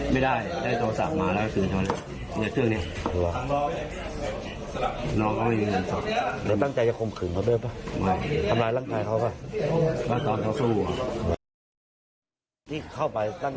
ไปได้๔ศาพหมายผู้กว่าอีกนึกหวังอ่ะ